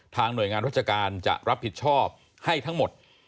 หน่วยงานราชการจะรับผิดชอบให้ทั้งหมด